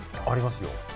ありますよ。